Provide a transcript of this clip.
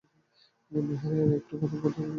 বিহারী, আর-একটা কথা তোর কাছে বলি।